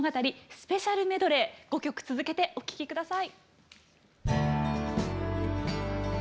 スペシャルメドレー５曲続けてお聴き下さい。